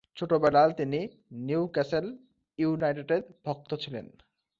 ছোটবেলায় তিনি নিউক্যাসল ইউনাইটেডের ভক্ত ছিলেন।